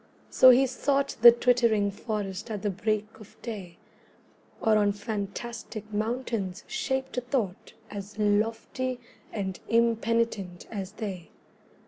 So he sought The twittering forest at the break of day, Or on fantastic mountains shaped a thought As lofty and impenitent as they.